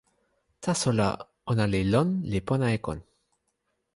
taso la, ona li lon li pona e kon.